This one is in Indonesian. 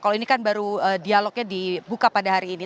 kalau ini kan baru dialognya dibuka pada hari ini